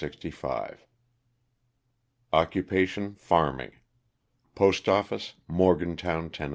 Occupation, farming. Postoffice, Morgantown, Tenn.